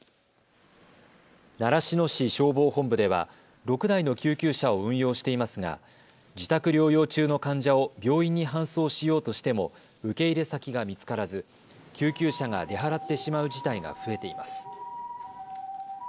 習志野市消防本部では６台の救急車を運用していますが自宅療養中の患者を病院に搬送しようとしても受け入れ先が見つからず救急車が出払ってしまう事態が増えています。